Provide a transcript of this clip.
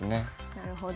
なるほど。